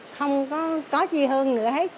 không có gì hơn nữa hết